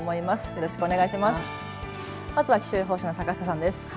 まずは気象予報士の坂下さんです。